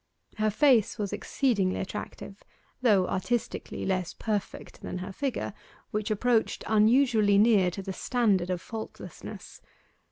Her face was exceedingly attractive, though artistically less perfect than her figure, which approached unusually near to the standard of faultlessness.